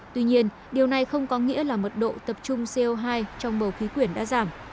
tuy nhiên điều này không có nghĩa là mật độ tập trung co hai trong bầu khí quyển đã giảm